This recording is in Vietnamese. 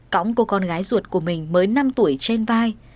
cõng cô con gái ruột của mình mới năm tuổi trên vai